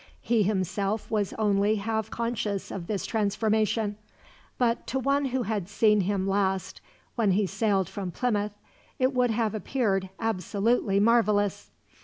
He himself was only half conscious of this transformation, but to one who had seen him last when he sailed from Plymouth, it would have appeared absolutely marvelous.